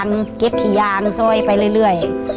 เมื่อเมื่อเมื่อเมื่อ